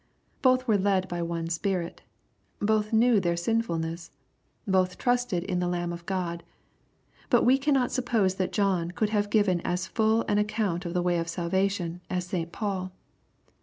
Both were led by one Spirit, Both knew their sinfulness. Both trusted in the Lamb of God. But we cannot suppose that John could have given as full an account of the way of salvation as St. Paul.